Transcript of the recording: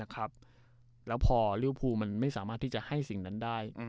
แล้วพอลิวภูมันไม่สามารถที่จะให้สิ่งนั้นได้